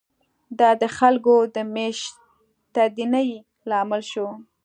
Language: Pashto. دا د خلکو د مېشتېدنې لامل شو.